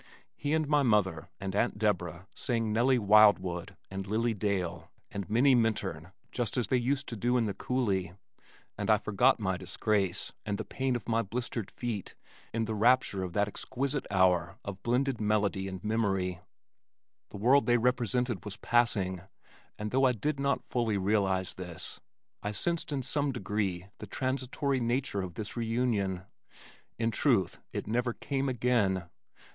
He and mother and Aunt Deborah sang Nellie Wildwood and Lily Dale and Minnie Minturn just as they used to do in the coulee, and I forgot my disgrace and the pain of my blistered feet in the rapture of that exquisite hour of blended melody and memory. The world they represented was passing and though I did not fully realize this, I sensed in some degree the transitory nature of this reunion. In truth it never came again.